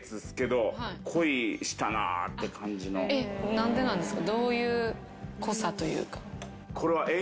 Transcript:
何でなんですか？